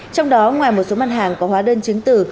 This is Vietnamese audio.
trong đó ngoài một số mặt hàng có hóa đơn chứng từ